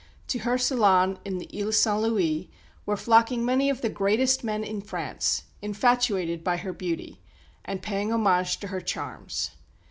To her salon in the Ile St Louis were flocking many of the greatest men in France, infatuated by her beauty, and paying homage to her charms.